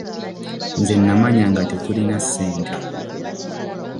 Nze nnamanya nga tetulina ssente.